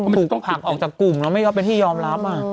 ถูกต้องผลักออกจากกลุ่มแล้วไม่เขาเป็นที่ยอมรับ